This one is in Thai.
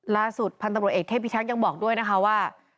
ล่าสุดพันธบริเวณเอกเทพภิกักษ์ยังบอกด้วยว่า